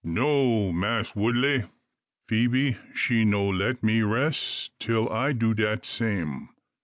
No, Mass Woodley, Phoebe she no let me ress till I do dat same.